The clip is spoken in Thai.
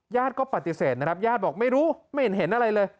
ญาติก็ปฏิเสธนะครับญาติบอกไม่รู้ไม่เห็นเห็นอะไรเลย